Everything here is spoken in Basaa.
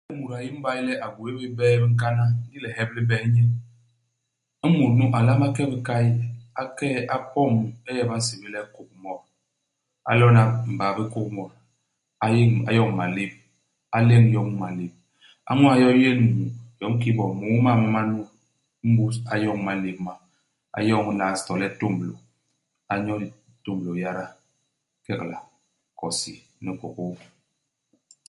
Iba le mut a yé i mbay le a gwéé bé bie bi nkana, ndi lihep li bés nye, imut nu a nlama ke i bikay, a ke'e a pom i e ba nsébél le kôgmot. A lona mbabi i kôgmot. A yéñ a yoñ malép. A leñ yo mu i malép. A ñwas yo i yél mu yom kiki 20 ma manut. Imbus a yoñ imalép ma. A yoñ las to le tômblô. A nyo tômblô yada, kekela, kosi ni kôkôa.